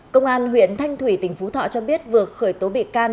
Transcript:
công an huyện thanh thủy tỉnh phú thọ cho biết vừa khởi tố bị can